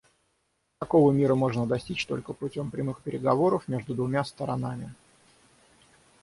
Такого мира можно достичь только путем прямых переговоров между двумя сторонами.